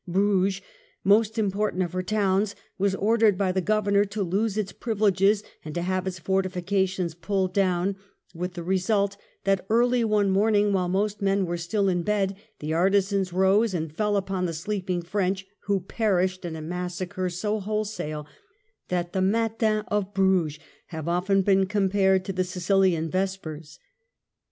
Bruges, most important of her towns, was ordered by the Governor to lose its privileges and to have its fortifications pulled down, with the re sult that early one morning, while most men were still in bed, the artisans rose and fell upon the sleeping French, who perished in a massacre so wholesale that the " Ma tins of Bruges " have often been compared to the " Sic ilian Vespers".